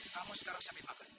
kamu sekarang siapin makan